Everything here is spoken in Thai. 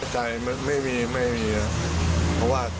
ใจมันไม่มีเพราะว่า